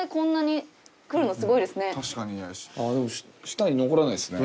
確かにね。